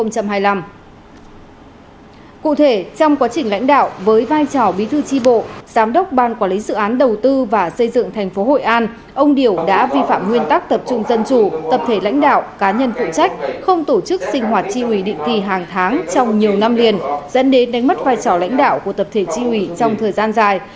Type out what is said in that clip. cụ thể trong quá trình lãnh đạo với vai trò bí thư tri bộ giám đốc ban quản lý sự án đầu tư và xây dựng thành phố hội an ông điều đã vi phạm nguyên tắc tập trung dân chủ tập thể lãnh đạo cá nhân phụ trách không tổ chức sinh hoạt tri ủy định kỳ hàng tháng trong nhiều năm liền dẫn đến đánh mất vai trò lãnh đạo của tập thể tri ủy trong thời gian dài